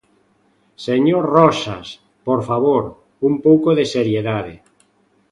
Señor Roxas, por favor, un pouco de seriedade.